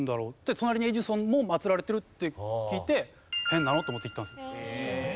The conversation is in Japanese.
隣にエジソンも祭られてるって聞いて「変なの」と思って行ったんです。